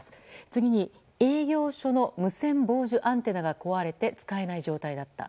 次に営業所の無線傍受アンテナが壊れて使えない状態だった。